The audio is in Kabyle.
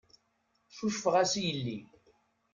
Cucfeɣ-as i yelli.